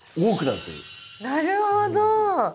なるほど！